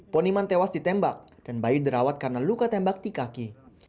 poniman tewas ditembak dan bayi dirawat karena luka tembak di kaki